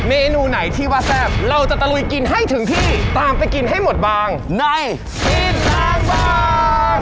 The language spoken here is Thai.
เมนูไหนที่ว่าแซ่บเราจะตะลุยกินให้ถึงที่ตามไปกินให้หมดบางในกินล้างบาง